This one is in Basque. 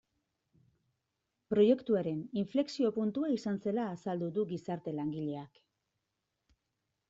Proiektuaren inflexio puntua izan zela azaldu du gizarte langileak.